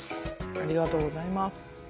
ありがとうございます。